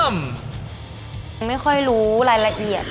ไม่ค่อยรู้รายละเอียด